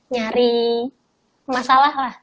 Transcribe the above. nyari masalah lah